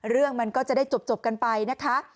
เรื่องมันก็จะได้จบกันไปนะคะ